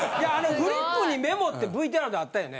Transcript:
フリップにメモってＶＴＲであったよね？